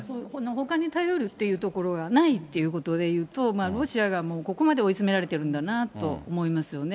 ほかに頼るっていうところがないっていうことで言うと、ロシアがここまで追い詰められているんだなと思いますね。